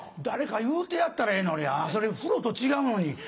誰か言うてやったらええのにそれ風呂と違うのに。